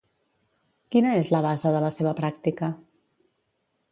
Quina és la base de la seva pràctica?